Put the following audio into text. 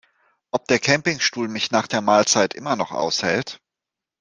Ob der Campingstuhl mich nach der Mahlzeit immer noch aushält?